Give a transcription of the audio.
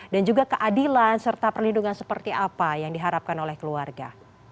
dan juga keadilan serta perlindungan seperti apa yang diharapkan oleh keluarga